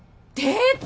えっ！